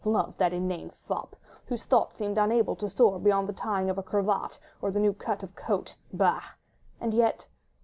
Loved that inane fop! whose thoughts seemed unable to soar beyond the tying of a cravat or the new cut of a coat. Bah! And yet!